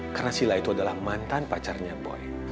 karena sila itu adalah mantan pacarnya boy